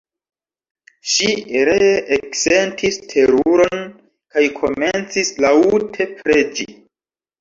Ŝi ree eksentis teruron kaj komencis laŭte preĝi.